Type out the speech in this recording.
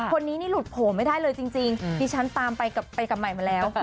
คนนี้นี่หลุดโผล่ไม่ได้เลยจริงดิฉันตามไปกับใหม่มาแล้ว